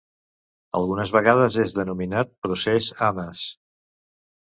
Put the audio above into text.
Algunes vegades és denominat Procés Ames.